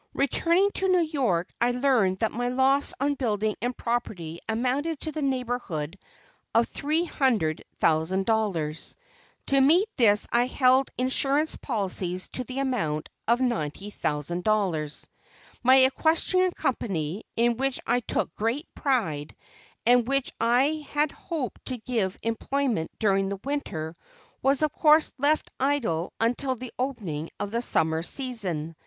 Returning to New York I learned that my loss on building and property amounted to the neighborhood of $300,000. To meet this I held insurance polices to the amount of $90,000. My equestrian company, in which I took great pride, and which I had hoped to give employment during the winter, was of course left idle until the opening of the summer season.